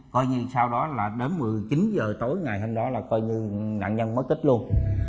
coi như sau đó là đến một mươi chín h tối ngày hôm đó là coi như nạn nhân mất tích luôn